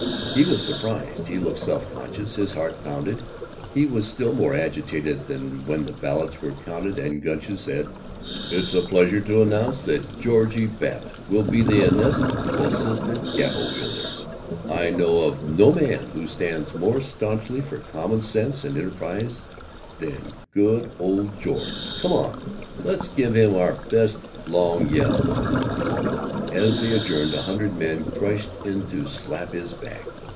He was surprised. He looked self conscious. His heart pounded. He was still more agitated when the ballots were counted and Gunch said, "It's a pleasure to announce that Georgie Babbitt will be the next assistant gavel wielder. I know of no man who stands more stanchly for common sense and enterprise than good old George. Come on, let's give him our best long yell!" As they adjourned, a hundred men crushed in to slap his back.